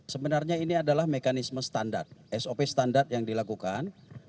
sebenarnya ini adalah mekanisme standar sop standar yang dilakukan